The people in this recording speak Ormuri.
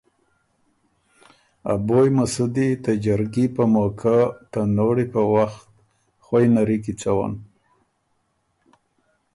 ا بویٛ مسودی ته جرګي په موقع ته نوړی په وخت خوئ نری کی څوّن